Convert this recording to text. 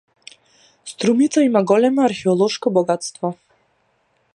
Струмица има големо археолошко богатство.